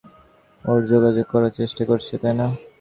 ওরা যোগাযোগ করার চেষ্টা করছে, তাই না?